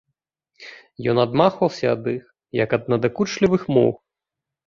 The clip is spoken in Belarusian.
Ён адмахваўся ад іх, як ад надакучлівых мух.